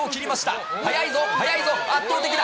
速いぞ、速いぞ、速いぞ、圧倒的だ。